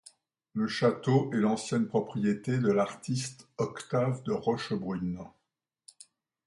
Le château est l'ancienne propriété de l'artiste Octave de Rochebrune.